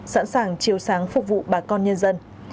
sẵn sàng chiều sáng phục vụ bà con nhân dân